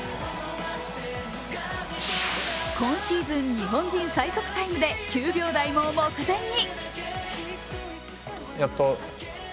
今シーズン日本人最速タイムで９秒台も目前に。